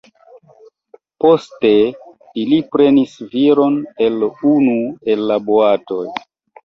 Poste ili prenis viron el unu el la boatoj.